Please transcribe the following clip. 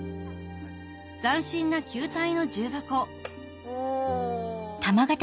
斬新な球体の重箱お。